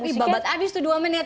ih bambat abis tuh dua menit